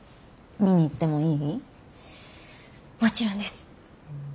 もちろんです。